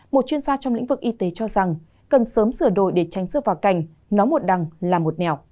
một chuyên gia trong lĩnh vực y tế cho rằng cần sớm sửa đổi để tranh sửa vào cành nóng một đằng là một nẻo